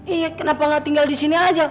iya kenapa tidak tinggal di sini saja